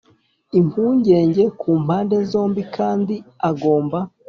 Impungenge ku mpande zombi kandi agomba